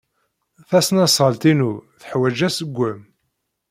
Tasnasɣalt-inu teḥwaj aṣeggem.